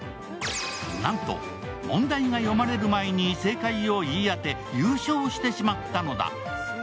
なんと、問題が読まれる前に正解を言い当て、優勝してしまったのだ。